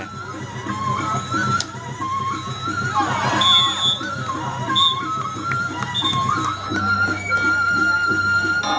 tapi perintah sangat ecosystem